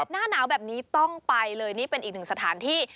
หน้าหนาวแบบนี้ต้องไปเลยนี่เป็นอีกหนึ่งสถานที่